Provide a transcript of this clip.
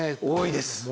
多いです。